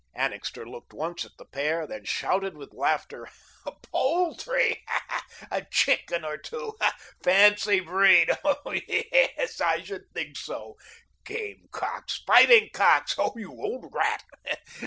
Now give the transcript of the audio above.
Annixter looked once at the pair, then shouted with laughter. "'Poultry' 'a chicken or two' 'fancy breed' ho! yes, I should think so. Game cocks! Fighting cocks! Oh, you old rat!